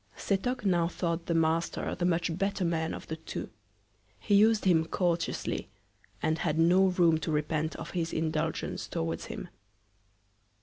Setoc now thought the Master the much better Man of the two. He us'd him courteously, and had no Room to repent of his Indulgence towards him.